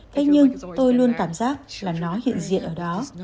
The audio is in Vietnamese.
thế nhưng tôi luôn cảm giác là nó hiện diện ở đó